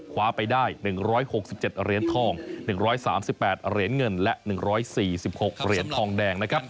คว้าไปได้๑๖๗เหรียญทอง๑๓๘เหรียญเงินและ๑๔๖เหรียญทองแดงนะครับ